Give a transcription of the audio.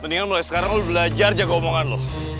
mendingan mulai sekarang lo belajar jaga omongan lo